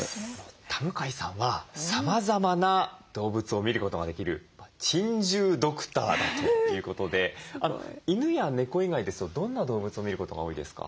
田向さんはさまざまな動物を診ることができる珍獣ドクターだということで犬や猫以外ですとどんな動物を診ることが多いですか？